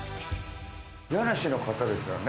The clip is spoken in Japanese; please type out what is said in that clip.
家主の方ですよね？